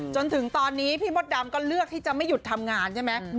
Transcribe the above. จนถึงตอนนี้พี่มดดำก็เลือกที่จะไม่หยุดทำงานใช่ไหม